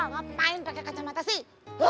ngapain pake kacamata sih